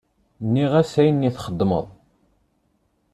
Nniɣ-as ayen i txedmeḍ.